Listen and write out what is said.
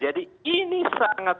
jadi ini sangat